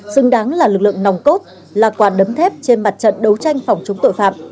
xứng đáng là lực lượng nòng cốt là quà đấm thép trên mặt trận đấu tranh phòng chống tội phạm